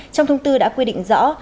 trong thông tư đã quy định rõ